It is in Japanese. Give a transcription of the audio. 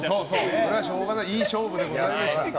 それはしょうがないいい勝負でした。